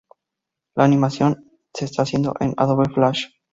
La animación se está haciendo en Adobe Flash.